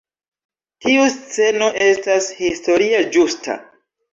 Tiu sceno estas historie ĝusta.